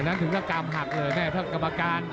อันนั้นถึงกล้ามหักเลยแม่ท่านกรรมการ